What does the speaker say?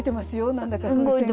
何だか風船が。